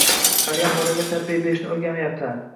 Haliyam bolaga tarbiya berishni o‘rganmapsan.